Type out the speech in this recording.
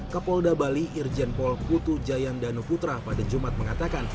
kapolda bali irjenpol putu jayan danuputra pada jumat mengatakan